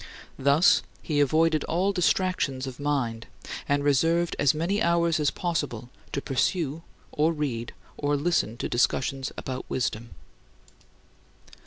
Thus he avoided all distractions of mind, and reserved as many hours as possible to pursue or read or listen to discussions about wisdom.